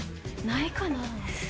ないかな？